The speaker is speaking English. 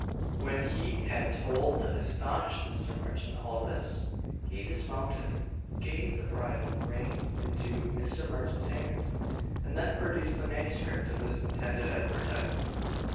When he had told the astonished Mr. Marchant all this, he dismounted; gave the bridle rein into Mr. Merchant's hand, and then produced the manuscript of his intended advertisement.